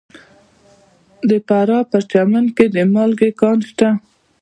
د فراه په پرچمن کې د مالګې کان شته.